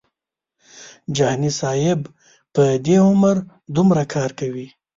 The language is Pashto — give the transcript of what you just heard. جهاني صاحب په دې عمر دومره کار کوي.